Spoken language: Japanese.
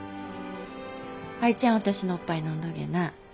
アイちゃん私のおっぱい飲んどげな。